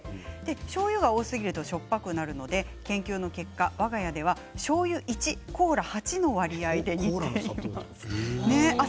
しょうゆが多すぎるとしょっぱくなるので研究の結果わが家はしょうゆ１コーラ８の割合です。